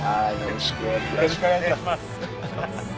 よろしくお願いします。